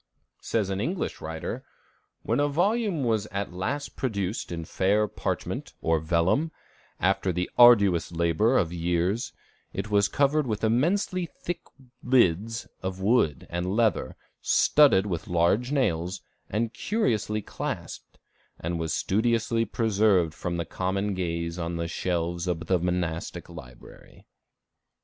Says an English writer: "When a volume was at last produced in fair parchment, or vellum, after the arduous labor of years, it was covered with immensely thick lids of wood and leather, studded with large nails, and curiously clasped, and was studiously preserved from the common gaze on the shelves of the monastic library.